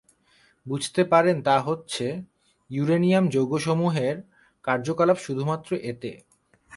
বুঝতে পারেন তা হচ্ছেঃ ইউরেনিয়াম যৌগ সমূহের কার্যকলাপ শুধুমাত্র এতে